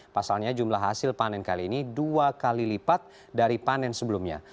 pasalnya jumlah hasil panen kali ini dua kali lipat dari panen sebelumnya